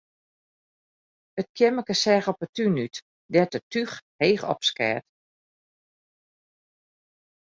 It keammerke seach op 'e tún út, dêr't it túch heech opskeat.